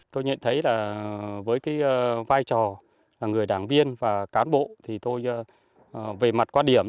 tôi nhận thấy là với cái vai trò là người đảng viên và cán bộ thì tôi về mặt quan điểm